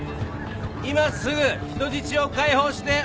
今すぐ人質を解放しておとなしく。